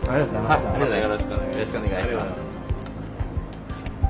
またよろしくお願いします。